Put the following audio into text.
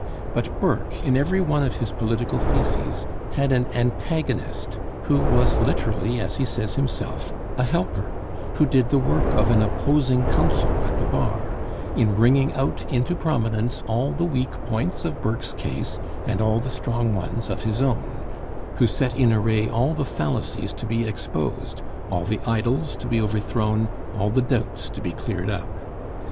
But Burke in every one of his political theses had an antagonist, who was literally as he says himself, a helper: who did the work of an opposing counsel at the bar, in bringing out into prominence all the weak points of Burke's case and all the strong ones of his own; who set in array all the fallacies to be exposed, all the idols to be overthrown, all the doubts to be cleared up.